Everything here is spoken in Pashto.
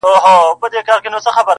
بیا حملې سوې د بازانو شاهینانو؛